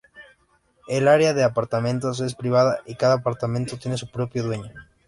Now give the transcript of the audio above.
El área de apartamentos es privada y cada apartamento tiene su propio dueño.